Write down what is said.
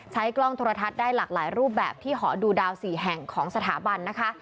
ใช้กล้องโทรทัศน์ได้หลากหลายรูปแบบที่หอดูดาว๔แห่งของสถาบันนะคะ